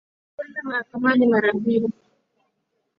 kuenda mahakamani mara mbili